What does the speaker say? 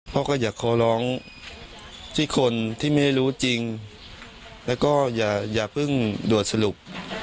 พ่อก็อยากขอร้องที่คนที่ไม่รู้จริงแล้วก็อย่าเพิ่งด่วนสรุป